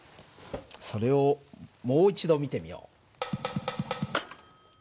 それをもう一度見てみよう。